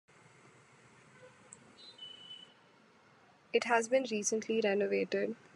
It has been recently renovated.